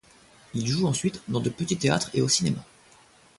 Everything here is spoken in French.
Il joue ensuite dans de petits théâtres et au cinéma.